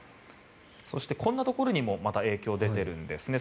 そしてこんなところにも影響が出ているんですね。